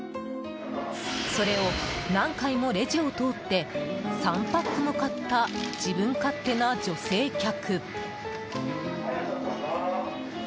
それを何回もレジを通って３パックも買った自分勝手な女性客。